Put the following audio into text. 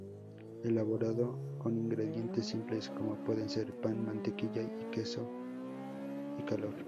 Elaborado con ingredientes simples como pueden ser: pan, mantequilla y queso y calor.